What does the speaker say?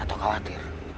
gak tau khawatir